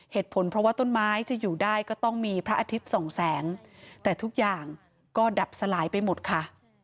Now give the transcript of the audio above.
เหตุผลเพราะว่าต้นไม้จะอยู่ได้ก็ต้องมีพระอาทิตย์สองแสงแต่ทุกอย่างก็ดับสลายไปหมดค่ะ